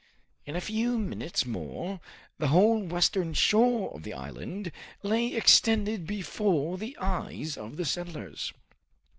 In a few minutes more, the whole western shore of the island lay extended before the eyes of the settlers.